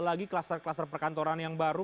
lagi kluster kluster perkantoran yang baru